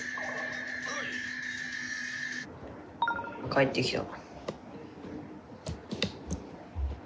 帰ってきた。